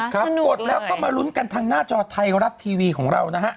กดแล้วก็มาลุ้นกันทางหน้าจอไทยรัฐทีวีของเรานะฮะ